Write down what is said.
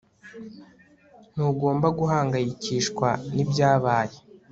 Ntugomba guhangayikishwa nibyabaye